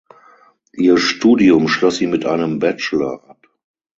Ihr Studium schloss sie mit einem Bachelor ab.